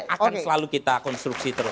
akan selalu kita konstruksi terus